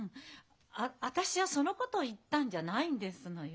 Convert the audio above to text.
あ私はそのことを言ったんじゃないんですのよ。